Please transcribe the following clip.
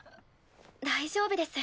大丈夫です。